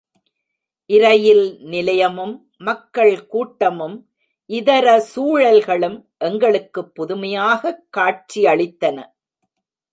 இரயில் நிலையமும், மக்கள் கூட்டமும், இதர சூழல்களும் எங்களுக்கு புதுமையாகக் காட்சியளித்தன.